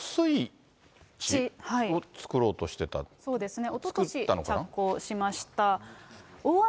これ、そうですね。